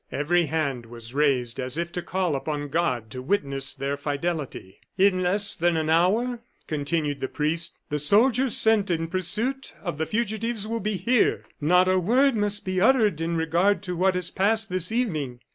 Every hand was raised as if to call upon God to witness their fidelity. "In less than an hour," continued the priest, "the soldiers sent in pursuit of the fugitives will be here. Not a word must be uttered in regard to what has passed this evening.